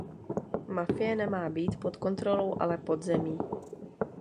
Mafie nemá být pod kontrolou, ale pod zemí.